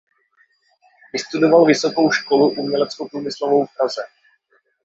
Vystudoval Vysokou školu uměleckoprůmyslovou v Praze.